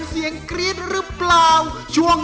เปิดเต็มแหว่ง